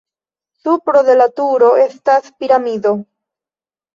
Supro de la turo estas piramido.